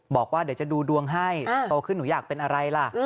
บอกว่าเดี๋ยวจะดูดวงให้โตขึ้นหนูอยากเป็นอะไรล่ะ